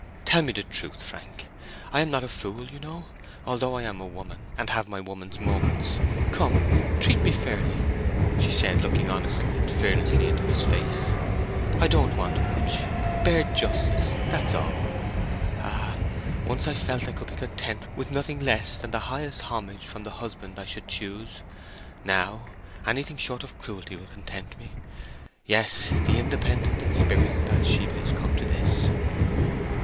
Tell me the truth, Frank. I am not a fool, you know, although I am a woman, and have my woman's moments. Come! treat me fairly," she said, looking honestly and fearlessly into his face. "I don't want much; bare justice—that's all! Ah! once I felt I could be content with nothing less than the highest homage from the husband I should choose. Now, anything short of cruelty will content me. Yes! the independent and spirited Bathsheba is come to this!"